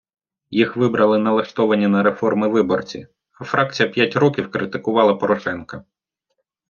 Їх вибрали налаштовані на реформи виборці, а фракція п’ять років критикувала Порошенка.